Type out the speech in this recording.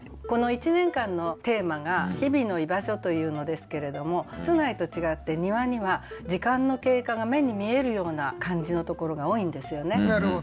この１年間のテーマが「日々の居場所」というのですけれども室内と違って庭には時間の経過が目に見えるような感じのところが多いんですよね。